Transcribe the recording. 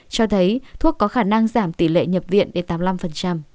cho thấy thuốc có khả năng giảm tỷ lệ nhập viện đến tám mươi năm